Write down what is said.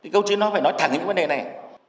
câu chứ nó phải nói thẳng những vấn đề này